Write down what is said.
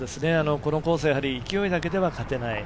このコースは勢いだけでは勝てない。